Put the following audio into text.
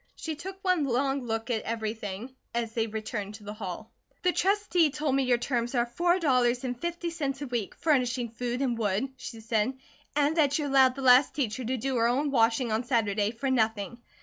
She took one long look at everything as they returned to the hall. "The Trustee told me your terms are four dollars and fifty cents a week, furnishing food and wood," she said, "and that you allowed the last teacher to do her own washing on Saturday, for nothing.